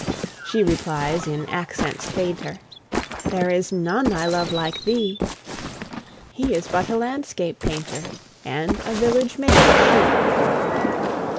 She replies, in accents fainter, "There is none I love like thee." He is but a landscape painter, And a village maiden she.